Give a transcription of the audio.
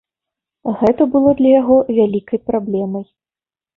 Гэта было для яго вялікай праблемай.